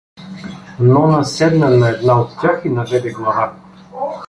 Нона седна на една от тях и наведе глава.